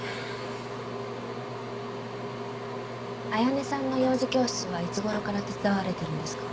綾音さんの幼児教室はいつごろから手伝われてるんですか？